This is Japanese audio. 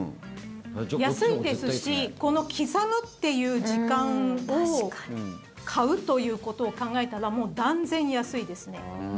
安いですしこの刻むっていう時間を買うということを考えたら断然安いですね。